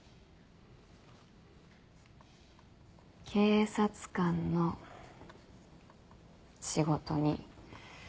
警察官の仕事に。